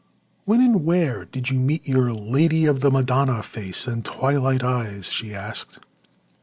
"When and where did you meet your lady of the Madonna face and twilight eyes?" she asked.